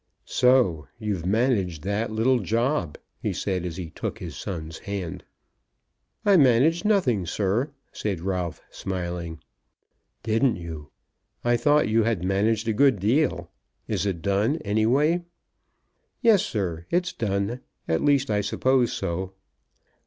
"So, you've managed that little job," he said, as he took his son's hand. "I managed nothing, sir," said Ralph, smiling. "Didn't you? I thought you had managed a good deal. It is done, anyway." "Yes, sir, it's done. At least, I suppose so."